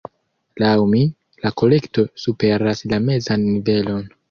Laŭ mi, la kolekto superas la mezan nivelon.